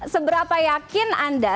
seberapa yakin anda